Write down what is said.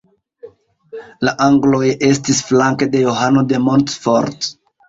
La angloj estis flanke de Johano de Montfort.